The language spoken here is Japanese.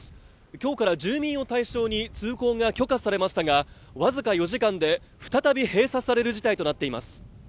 今日から住民を対象に通行が許可されましたが僅か４時間で再び閉鎖される事態となっています。